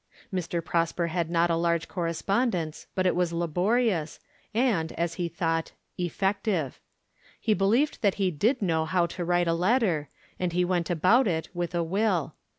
Mr. Prosper had not a large correspondence, but it was laborious, and, as he thought, effective. He believed that he did know how to write a letter, and he went about it with a will.